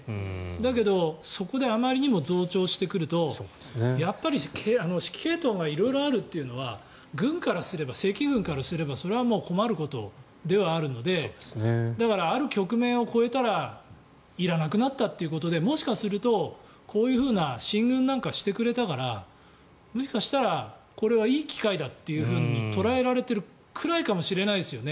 だけど、そこであまりにも増長してくるとやっぱり指揮系統が色々あるというのは軍からすれば、正規軍からすればそれはもう困ることではあるのでだから、ある局面を超えたらいらなくなったということでもしかすると、こういうふうな進軍なんかしてくれたからもしかしたらこれはいい機会だと捉えられているくらいかもしれないですよね。